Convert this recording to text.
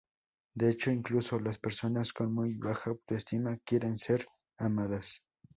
De hecho, incluso las personas con muy baja autoestima quieren ser amadas.